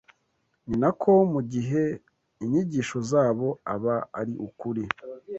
ni na ko mu gihe inyigisho zabo aba ari ukuri